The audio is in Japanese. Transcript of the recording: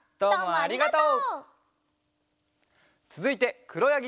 ありがとう。